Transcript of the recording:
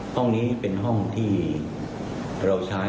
ห้องนี้เป็นห้องที่เราใช้